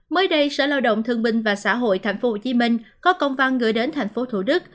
mới đây sở lao động thương binh và xã hội tp hcm có công văn gửi đến tp thủ đức